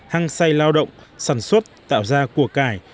hăng say lao động sản xuất tạo ra cuộc cải